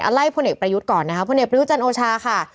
ไล่พลเอกประยุทธ์ก่อนนะคะพลเอกประยุทธ์จันทร์โอชาค่ะ